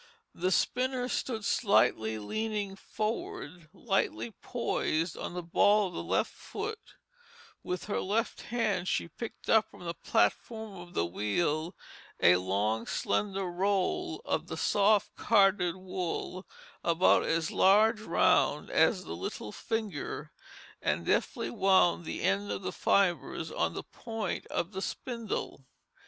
The spinner stood slightly leaning forward, lightly poised on the ball of the left foot; with her left hand she picked up from the platform of the wheel a long slender roll of the soft carded wool about as large round as the little finger, and deftly wound the end of the fibres on the point of the spindle.